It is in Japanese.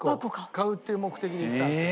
買うっていう目的で行ったんですよ。